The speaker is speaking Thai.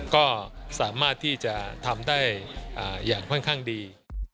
ก็สามารถที่จะทำได้อย่างค่อนข้างดี